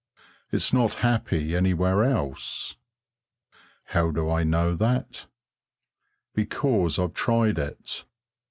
It's not happy anywhere else. How do I know that? Because I've tried it.